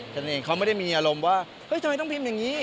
นั่นเองเขาไม่ได้มีอารมณ์ว่าเฮ้ยทำไมต้องพิมพ์อย่างนี้